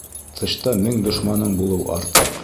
Тышта мең дошманың булыу артыҡ.